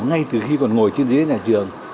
ngay từ khi còn ngồi trên dưới nhà trường